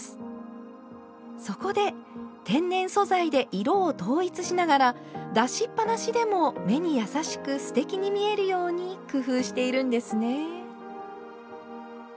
そこで天然素材で色を統一しながら出しっ放しでも目に優しくすてきに見えるように工夫しているんですね。